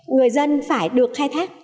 người dân phải được khai thác